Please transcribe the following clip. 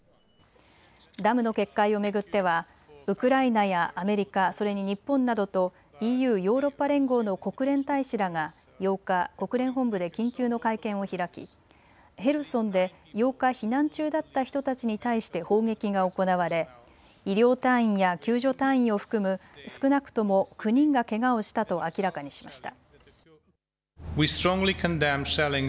ダムの決壊を巡ってはウクライナやアメリカ、それに日本などとＥＵ・ヨーロッパ連合の国連大使らが８日、国連本部で緊急の会見を開きヘルソンで８日、避難中だった人たちに対して砲撃が行われ医療隊員や救助隊員を含む少なくとも９人がけがをしたと明らかにしました。